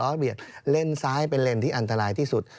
เบียดเลนซ้ายเป็นเลนที่อันตรายที่สุด